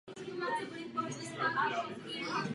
Krom psychiatrických témat se občas věnoval i tématu folklóru.